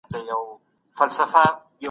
د معلوماتو پلټل زده کړئ.